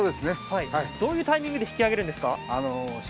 どういうタイミングで引き揚げるんですか？